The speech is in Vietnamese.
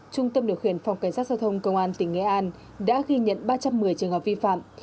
trung tâm điều khiển phòng cảnh sát giao thông công an tỉnh nghệ an đã ghi nhận ba trăm một mươi trường hợp vi phạm